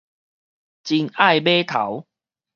真愛碼頭